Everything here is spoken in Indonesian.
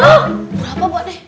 apa pak deh